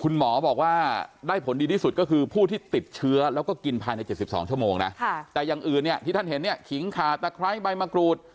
อีกอย่างอื่นเนี้ยที่ท่านเห็นเนี้ยเขงขาตะไคร้ใบมะกรูส